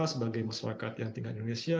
sebagai masyarakat yang tinggal di indonesia